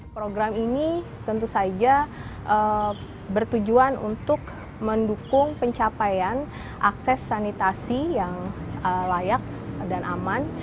program ini tentu saja bertujuan untuk mendukung pencapaian akses sanitasi yang layak dan aman